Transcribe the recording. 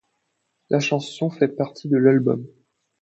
La chanson fait partie de l'album '.